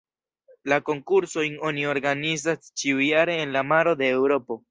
La konkursojn oni organizas ĉiujare en la maro de Eŭropo.